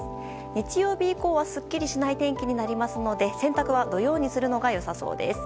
日曜日以降は、すっきりしない天気になりますので洗濯は土曜にするのが良さそうです。